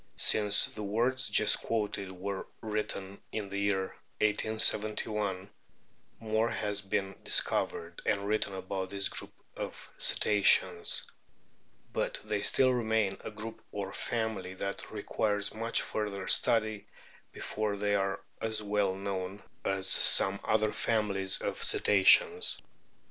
Since the words just quoted were written (in the year 1871) more has been dis covered and written about this group of Cetaceans ; but they still remain a group or family that requires much further study before they are as well known as some other families of Cetaceans.